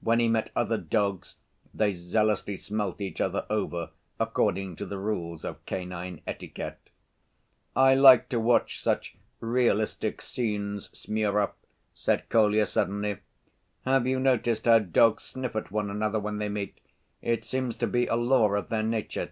When he met other dogs they zealously smelt each other over according to the rules of canine etiquette. "I like to watch such realistic scenes, Smurov," said Kolya suddenly. "Have you noticed how dogs sniff at one another when they meet? It seems to be a law of their nature."